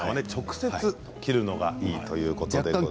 直接着るのがいいということです。